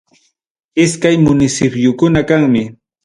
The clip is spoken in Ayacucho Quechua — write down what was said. Iskay munisipyukuna kanmi.